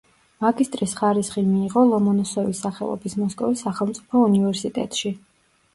მაგისტრის ხარისხი მიიღო ლომონოსოვის სახელობის მოსკოვის სახელმწიფო უნივერსიტეტში.